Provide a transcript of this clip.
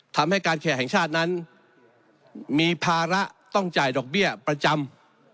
ทำให้การแขกแห่งชาตินั้นมีภาระต้องจ่ายดอกเบี้ยประจำ